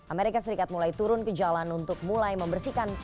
amerika serikat mulai turun ke jalan untuk mulai membersihkan